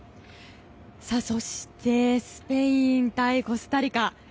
そして、スペイン対コスタリカ。